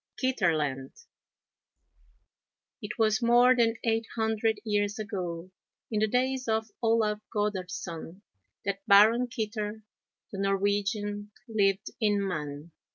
KITTERLAND It was more than eight hundred years ago, in the days of Olaf Goddardson, that Baron Kitter, the Norwegian, lived in Mann.